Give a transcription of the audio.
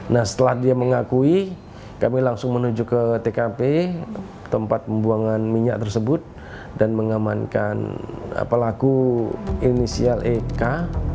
nah setelah dia mengakui kami langsung menuju ke tkp tempat pembuangan minyak tersebut dan mengamankan pelaku inisial eka